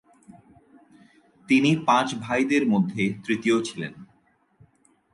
তিনি পাঁচ ভাইদের মধ্যে তৃতীয় ছিলেন।